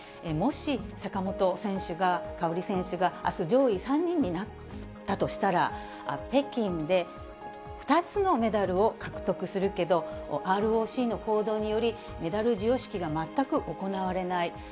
もし坂本選手が、花織選手があす、上位３人になったとしたら、北京で２つのメダルを獲得するけど、ＲＯＣの行動により、メダル授与式が全く行われない。